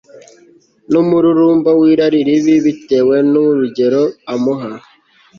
numururumba wirari ribi bitewe nurugero amuha